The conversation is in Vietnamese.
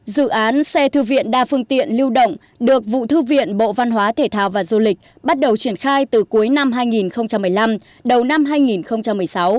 dự án xe thư viện đa phương tiện lưu động được vụ thư viện bộ văn hóa thể thao và du lịch bắt đầu triển khai từ cuối năm hai nghìn một mươi năm đầu năm hai nghìn một mươi sáu